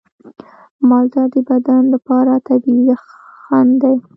مالټه د بدن لپاره طبیعي یخن دی.